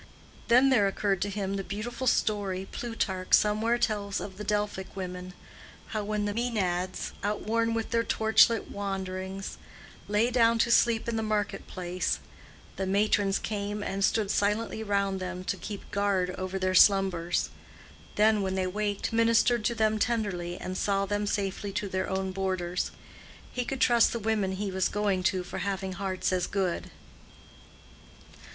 Then there occurred to him the beautiful story Plutarch somewhere tells of the Delphic women: how when the Maenads, outworn with their torch lit wanderings, lay down to sleep in the market place, the matrons came and stood silently round them to keep guard over their slumbers; then, when they waked, ministered to them tenderly and saw them safely to their own borders. He could trust the women he was going to for having hearts as good.